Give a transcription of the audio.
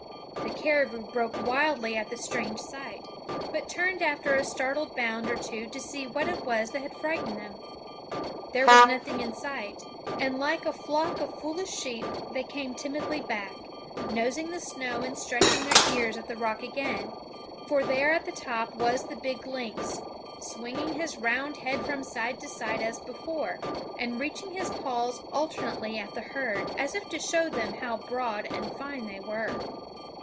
The caribou broke wildly at the strange sight, but turned after a startled bound or two to see what it was that had frightened them. There was nothing in sight, and like a flock of foolish sheep they came timidly back, nosing the snow and stretching their ears at the rock again; for there at the top was the big lynx, swinging his round head from side to side as before, and reaching his paws alternately at the herd, as if to show them how broad and fine they were.